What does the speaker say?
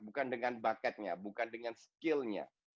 bukan dengan bakatnya bukan dengan skillnya